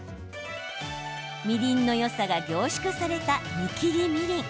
みりんのよさが凝縮された煮きりみりん。